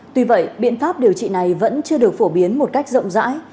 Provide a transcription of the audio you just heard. tuy vậy biện pháp điều trị này vẫn chưa được phổ biến một cách rộng rãi